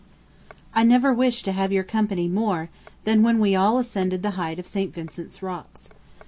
I never wished to have your company more than when we all ascended the height of St. Vincent's Rocks.